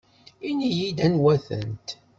Ini-iyi-d anwa-tent.